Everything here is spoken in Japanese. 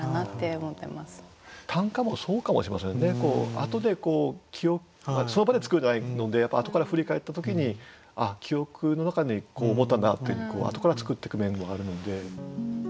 あとでこうその場で作らないのであとから振り返った時に「あっ記憶の中にこう思ったんだ」っていうあとから作っていく面もあるので。